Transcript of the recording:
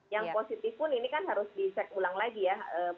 yang positif pun ini kan harus dicek ulang lagi ya